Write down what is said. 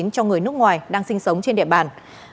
cho người nước ngoài đang sinh sống trên địa bàn